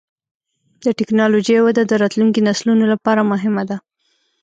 د ټکنالوجۍ وده د راتلونکي نسلونو لپاره مهمه ده.